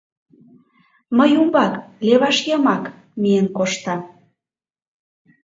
Мый умбак, леваш йымак, миен коштам.